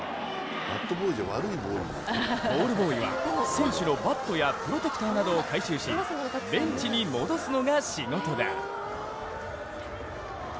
ボールボーイは選手のバットやプロテクターなどを回収し、ベンチに戻すのが仕事だ。